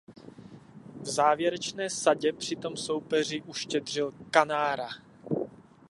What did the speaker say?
V závěrečné sadě přitom soupeři uštědřil „kanára“.